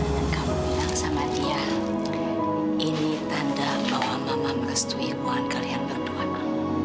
dan kamu bilang sama dia ini tanda bahwa mama merestui keuangan kalian berdua ma